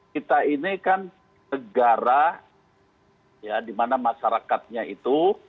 kita ini kan negara ya di mana masyarakatnya itu